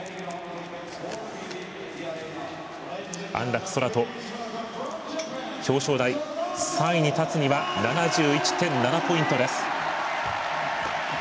安楽宙斗、表彰台３位に立つには７１．７ポイントです。